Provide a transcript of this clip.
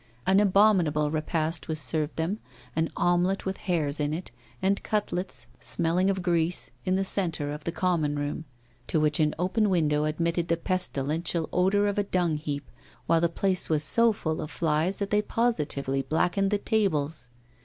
An abominable repast was served them, an omelette with hairs in it, and cutlets smelling of grease, in the centre of the common room, to which an open window admitted the pestilential odour of a dung heap, while the place was so full of flies that they positively blackened the tables.